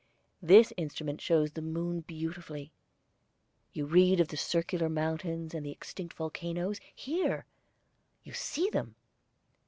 This instrument shows the moon beautifully. You read of the circular mountains and the extinct volcanoes; here you see them.